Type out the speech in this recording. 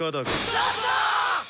ちょっと！